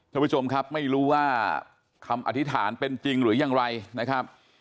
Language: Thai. ท่านผู้ชมครับไม่รู้ว่าคำอธิษฐานเป็นจริงหรือยังไรนะครับ